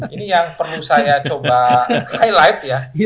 ini yang perlu saya coba highlight ya